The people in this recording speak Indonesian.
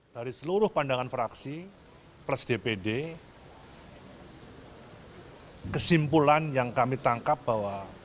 dari seluruh pandangan fraksi plus dpd kesimpulan yang kami tangkap bahwa